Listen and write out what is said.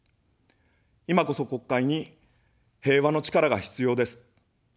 いまこそ国会に平和の力が必要です。